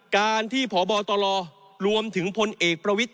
การที่ผอบอตรอรวมถึงพลเอกประวิทธิ์